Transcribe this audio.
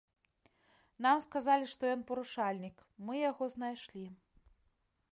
Нам сказалі, што ён парушальнік, мы яго знайшлі.